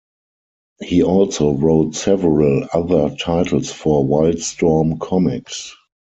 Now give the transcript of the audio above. He also wrote several other titles for Wildstorm Comics.